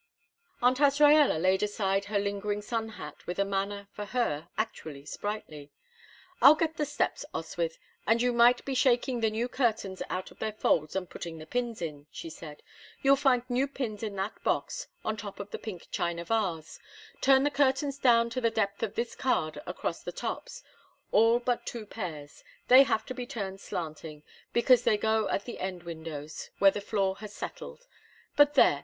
Aunt Azraella laid aside her lingering sun hat with a manner for her actually sprightly. "I'll get the steps, Oswyth, and you might be shaking the new curtains out of their folds and putting the pins in," she said. "You'll find new pins in that box on top of the pink china vase. Turn the curtains down to the depth of this card across the tops all but two pairs. They have to be turned slanting, because they go at the end windows, where the floor has settled. But there!